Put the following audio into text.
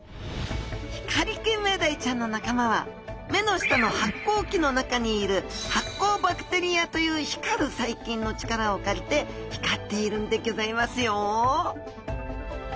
ヒカリキンメダイちゃんの仲間は目の下の発光器の中にいる発光バクテリアという光る細菌の力を借りて光っているんでギョざいますよ！